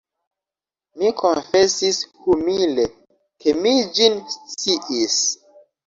Mi konfesis humile, ke mi ĝin sciis.